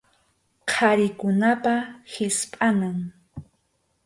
Qharikunapa hispʼanan.